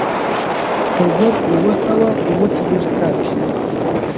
په زر اووه سوه اوه څلوېښت کال کې.